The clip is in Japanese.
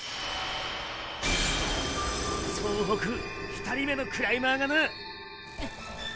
総北２人目のクライマーがな。